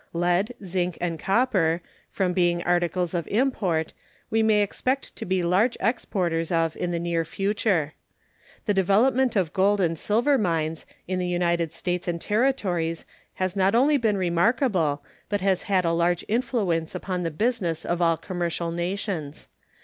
Lead, zinc, and copper, from being articles of import, we may expect to be large exporters of in the near future. The development of gold and silver mines in the United States and Territories has not only been remarkable, but has had a large influence upon the business of all commercial nations.